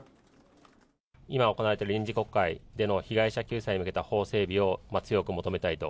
今、行われている臨時国会での被害者救済に向けた法整備を強く求めたいと。